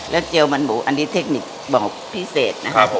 แล้วเจียวมันหมูอันนี้เทคนิคบอกพิเศษนะครับผม